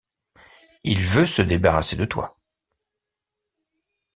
Il veut se débarrasser de toi.